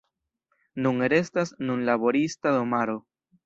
Nun restas nur laborista domaro.